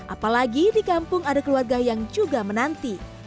apalagi di kampung ada keluarga yang juga menanti